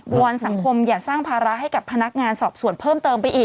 อนสังคมอย่าสร้างภาระให้กับพนักงานสอบส่วนเพิ่มเติมไปอีก